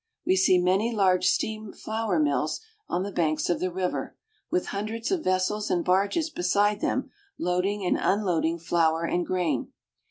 We see many large steam flour mills on the banks of the river, with hundreds of vessels and barges beside them, loading and unloading flour and grain.